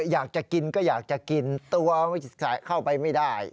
อยากจะกินก็อยากจะกินตัวเข้าไปไม่ได้